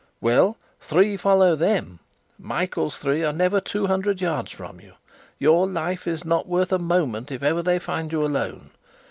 Well, three follow them; Michael's three are never two hundred yards from you. Your life is not worth a moment if ever they find you alone.